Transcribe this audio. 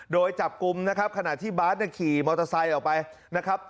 โดยจับกลุ่มนะครับขณะที่บาทขี่มอเตอร์ไซค์ออกไปนะครับ